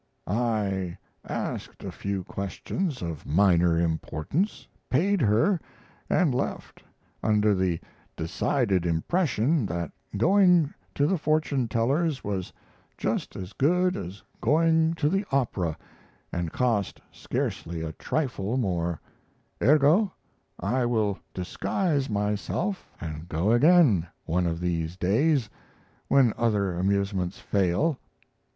I asked a few questions of minor importance paid her and left under the decided impression that going to the fortune teller's was just as good as going to the opera, and cost scarcely a trifle more ergo, I will disguise myself and go again, one of these days, when other amusements fail.